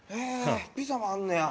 ピザもあんのや。